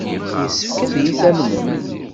Yessefk ad iyi-tamnem.